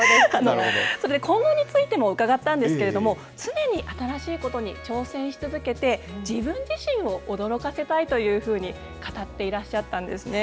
それで今後についても伺ったんですけれども、常に新しいことに挑戦し続けて、自分自身を驚かせたいというふうに語っていらっしゃったんですね。